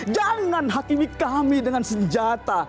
jangan hakimi kami dengan senjata